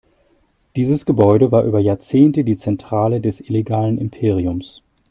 Dieses Gebäude war über Jahrzehnte die Zentrale des illegalen Imperiums.